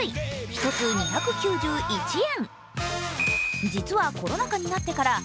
１つ２９１円。